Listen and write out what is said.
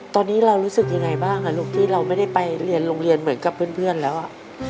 ตอนนี้เรารู้สึกยังไงบ้างลูกที่เราไม่ได้ไปเรียนโรงเรียนเหมือนกับเพื่อนแล้ว